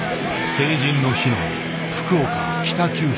成人の日の福岡・北九州。